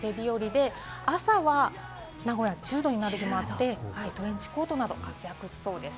なので広く長袖日和で、朝は名古屋１０℃になる日もあって、トレンチコートなど活躍しそうです。